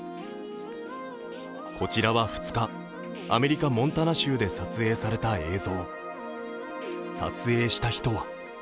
こちらは２日、アメリカ・モンタナ州で撮影された映像。